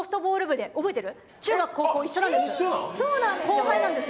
後輩なんです